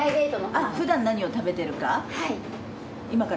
あぁふだん何を食べてるか？